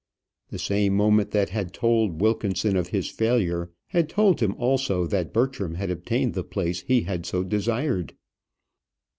The same moment that had told Wilkinson of his failure had told him also that Bertram had obtained the place he had so desired.